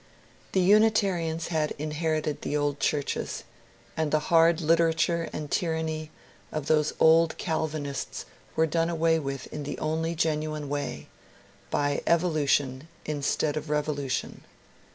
The Unitarians had inherited the old churches; and the hard literature and tyranny of those old Calvinists were done away with in the only genuine way, — by evolution instead of revolution.